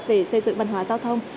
về xây dựng văn hóa giao thông